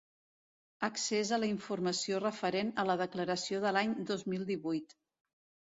Accés a la informació referent a la Declaració de l'any dos mil divuit.